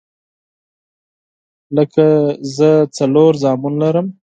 لکه زه څلور زامن لرم